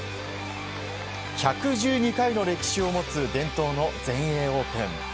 １１２回の歴史を持つ伝統の全英オープン。